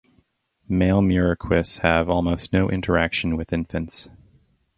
Male muriquis have almost no interaction with infants.